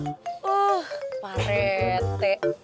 uh pak rt